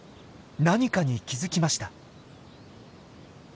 何かに気付きました。